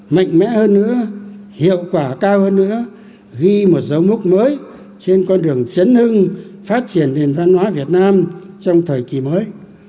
mạnh mẽ hơn nữa hiệu quả cao hơn nữa ghi một dấu mốc mới trên con đường chấn hưng phát triển nền văn hóa việt nam trong thời kỳ mới